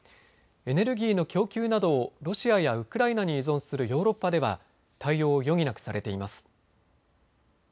エネルギーの供給などをロシアやウクライナに依存するヨーロッパでは対応を余儀なくされています。